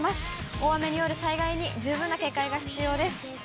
大雨による災害に十分な警戒が必要です。